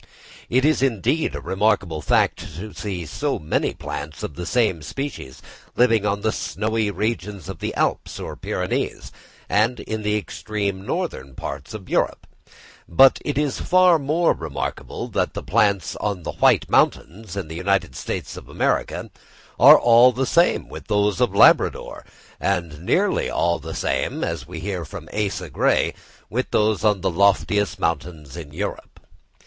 It is indeed a remarkable fact to see so many plants of the same species living on the snowy regions of the Alps or Pyrenees, and in the extreme northern parts of Europe; but it is far more remarkable, that the plants on the White Mountains, in the United States of America, are all the same with those of Labrador, and nearly all the same, as we hear from Asa Gray, with those on the loftiest mountains of Europe.